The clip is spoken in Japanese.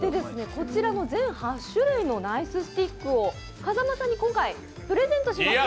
こちらの全８種類のナイススティックを風間さんに今回、プレゼントします